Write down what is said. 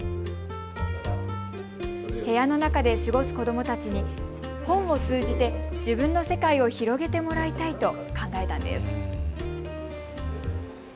部屋の中で過ごす子どもたちに本を通じて自分の世界を広げてもらいたいと考えたのです。